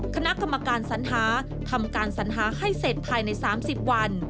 คณะกรรมการสัญหาทำการสัญหาให้เสร็จภายใน๓๐วัน